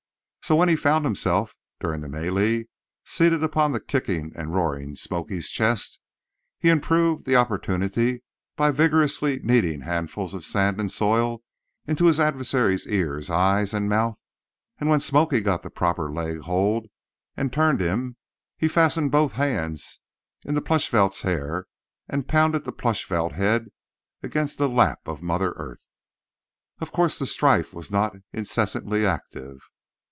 So, when he found himself, during the mêlée, seated upon the kicking and roaring "Smoky's" chest, he improved the opportunity by vigorously kneading handfuls of sand and soil into his adversary's ears, eyes and mouth, and when "Smoky" got the proper leg hold and "turned" him, he fastened both hands in the Plushvelt hair and pounded the Plushvelt head against the lap of mother earth. Of course, the strife was not incessantly active.